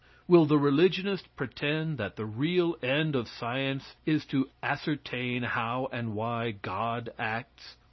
Will the religionist pretend that the real end of science is to ascertain how and why God acts?